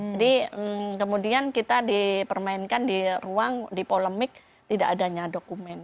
jadi kemudian kita dipermainkan di ruang di polemik tidak adanya dokumen